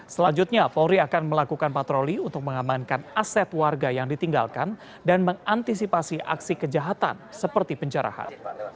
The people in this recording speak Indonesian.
selanjutnya polri akan melakukan patroli untuk mengamankan aset warga yang ditinggalkan dan mengantisipasi aksi kejahatan seperti pencerahan